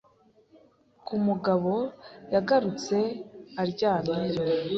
ko umugabo yagarutse aryamye yo